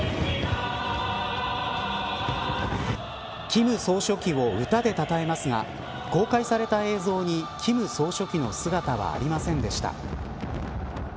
金総書記を歌でたたえますが公開された映像に金総書記の姿はありませんでした。